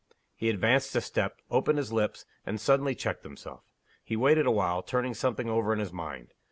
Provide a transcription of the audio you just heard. He advanced a step opened his lips and suddenly checked himself. He waited a while, turning something over in his mind.